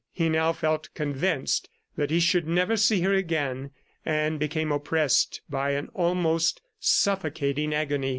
He now felt convinced that he should never see her again, and became oppressed by an almost suffocating agony.